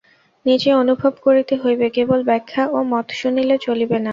নিজে অনুভব করিতে হইবে, কেবল ব্যাখ্যা ও মত শুনিলে চলিবে না।